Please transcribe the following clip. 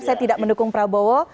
saya tidak mendukung prabowo